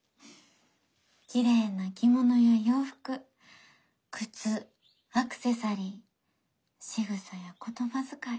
きれいな着物や洋服靴アクセサリーしぐさや言葉遣い。